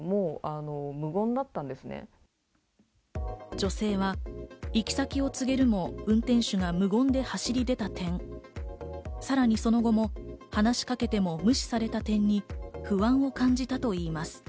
女性は行き先を告げるも運転手は無言で走り出た点、さらにその後も話しかけても無視された点に不安を感じたといいます。